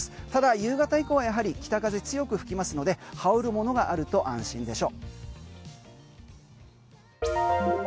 ただ夕方以降はやはり北風強く吹きますので羽織るものがあると安心でしょう。